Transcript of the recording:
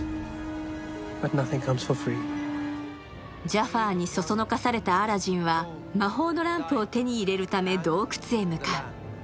ジャファーにそそのかされたアラジンは魔法のランプを手に入れるため洞窟に向かう。